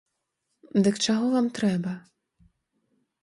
Дык чаго вам трэба?